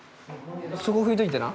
そこ拭いといてな。